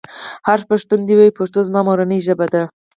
هر پښتون دې ووايي پښتو زما مورنۍ ژبه ده.